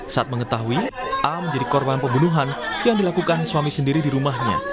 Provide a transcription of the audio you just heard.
saat mengetahui a menjadi korban pembunuhan yang dilakukan suami sendiri di rumahnya